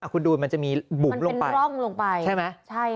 คุณดูมันจะมีบุ่มลงไปใช่ไหม